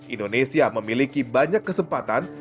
indonesia memiliki banyak kesempatan